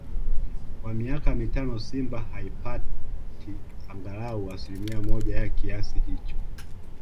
kwa miaka mitano Simba haipati angalau asilimia moja ya kiasi hicho